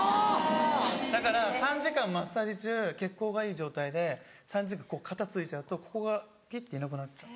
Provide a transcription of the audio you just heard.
だから３時間マッサージ中血行がいい状態で３時間こう型ついちゃうとここがピッていなくなっちゃう。